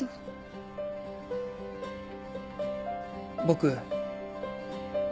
僕。